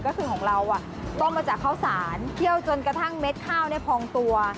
ก็คือของเราต้มมาจากข้าวสารเคี่ยวจนกระทั่งเม็ดข้าวพองตัว